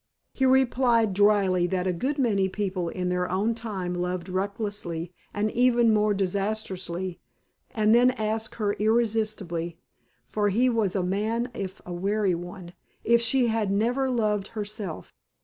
He replied drily that a good many people in their own time loved recklessly and even more disastrously, and then asked her irresistibly (for he was a man if a wary one) if she had never loved herself.